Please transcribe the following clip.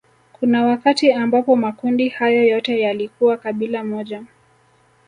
Kuna wakati ambapo makundi hayo yote yalikuwa kabila moja